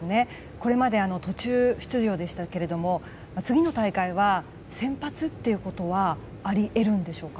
これまで途中出場でしたけれども次の試合は先発ということはあり得るんでしょうか。